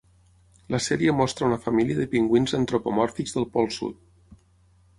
La sèrie mostra una família de pingüins antropomòrfics del Pol Sud.